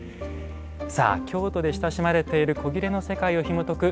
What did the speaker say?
さあ京都で親しまれている古裂の世界をひもとく